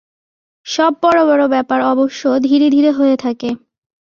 সব বড় বড় ব্যাপার অবশ্য ধীরে ধীরে হয়ে থাকে।